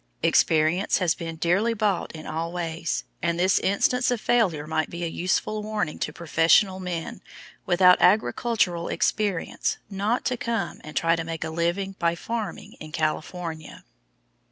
Experience has been dearly bought in all ways, and this instance of failure might be a useful warning to professional men without agricultural experience not to come and try to make a living by farming in Colorado.